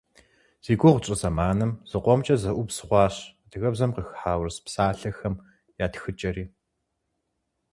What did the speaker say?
Зи гугъу тщӏы зэманым зыкъомкӏэ зэӏубз хъуащ адыгэбзэм къыхыхьа урыс псалъэхэм я тхыкӏэри.